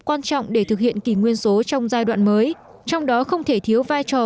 quan trọng để thực hiện kỷ nguyên số trong giai đoạn mới trong đó không thể thiếu vai trò